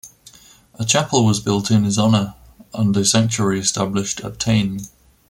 A chapel was built in his honour and a sanctuary established at Tain.